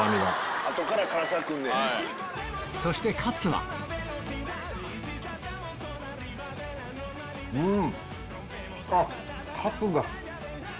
そしてカツはうん！